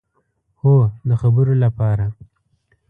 هو، د خبرو لپاره